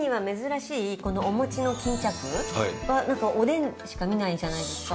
このお餅の巾着はおでんでしか見ないじゃないですか。